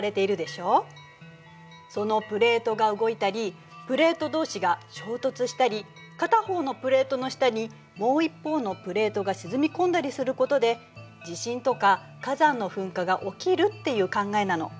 そのプレートが動いたりプレート同士が衝突したり片方のプレートの下にもう一方のプレートが沈み込んだりすることで地震とか火山の噴火が起きるっていう考えなの。